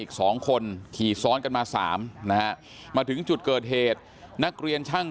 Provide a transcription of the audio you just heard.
อีก๒คนขี่ซ้อนกันมา๓นะฮะมาถึงจุดเกิดเหตุนักเรียนช่าง